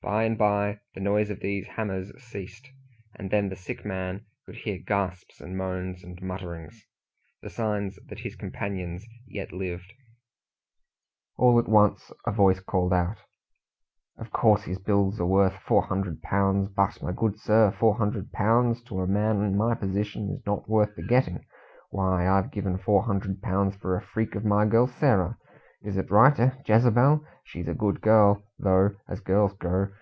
By and by the noise of these hammers ceased, and then the sick man could hear gasps, and moans, and mutterings the signs that his companions yet lived. All at once a voice called out, "Of course his bills are worth four hundred pounds; but, my good sir, four hundred pounds to a man in my position is not worth the getting. Why, I've given four hundred pounds for a freak of my girl Sarah! Is it right, eh, Jezebel? She's a good girl, though, as girls go.